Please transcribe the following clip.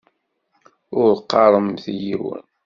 Ur qqaṛemt i yiwen.